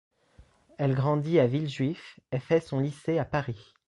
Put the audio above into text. Elle grandit à Villejuif et fait son lycée à Paris.